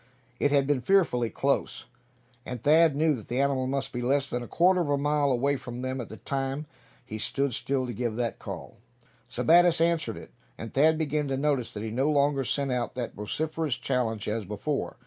It had been fearfully close, and Thad knew that the animal must be less than a quarter of a mile away from them at the time he stood still to give that call. Sebattis answered it, and Thad began to notice that he no longer sent out that vociferous challenge as before.